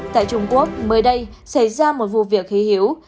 tại trung quốc mới đây xảy ra một vụ việc khí hiếu